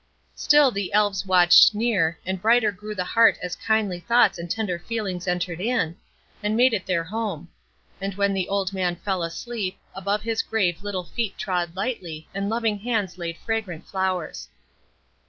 Still the Elves watched near, and brighter grew the heart as kindly thoughts and tender feelings entered in, and made it their home; and when the old man fell asleep, above his grave little feet trod lightly, and loving hands laid fragrant flowers.